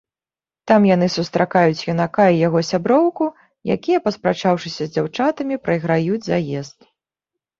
Там яны сустракаюць юнака і яго сяброўку, якія, паспрачаўшыся з дзяўчатамі, прайграюць заезд.